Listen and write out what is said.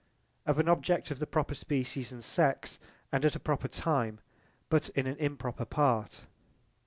Of an object of the proper species and sex, and at a proper time, but in an improper part.